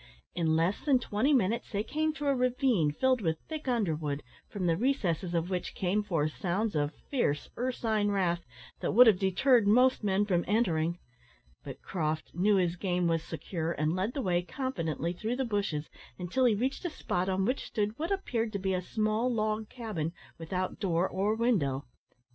In less than twenty minutes, they came to a ravine filled with thick underwood, from the recesses of which came forth sounds of fierce ursine wrath that would have deterred most men from entering; but Croft knew his game was secure, and led the way confidently through the bushes, until he reached a spot on which stood what appeared to be a small log cabin without door or window.